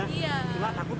coba takut gak